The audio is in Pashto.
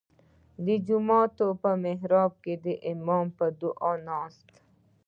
• د جومات په محراب کې امام په دعا کښېناست.